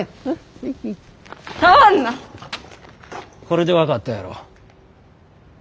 これで分かったやろ。